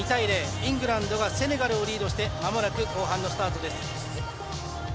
イングランドがセネガルをリードしてまもなく後半のスタートです。